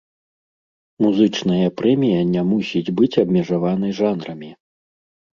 Музычная прэмія не мусіць быць абмежаванай жанрамі.